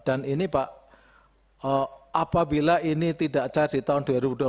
dan ini pak apabila ini tidak cair di tahun dua ribu dua puluh dua